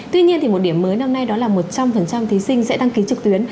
tuy nhiên một điểm mới năm nay đó là một trăm linh thí sinh sẽ đăng ký trực tuyến